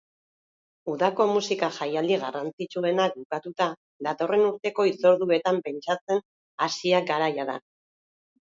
Udako musika jaialdi garrantzitsuenak bukatuta, datorren urteko hitzorduetan pentsatzen hasiak gara jada.